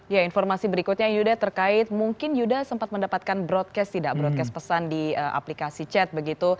ya informasi berikutnya yuda terkait mungkin yuda sempat mendapatkan broadcast tidak broadcast pesan di aplikasi chat begitu